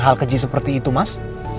hal keji seperti itu mas